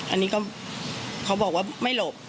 อันนี้ก็เขาบอกว่าไม่หลบ